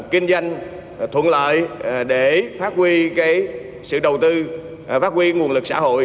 kinh doanh thuận lợi để phát huy sự đầu tư phát huy nguồn lực xã hội